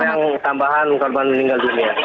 ada yang tambahan korban meninggal dunia